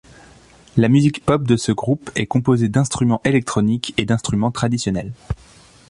La musique pop de ce groupe est composée d'instruments électroniques et d'instruments traditionnels.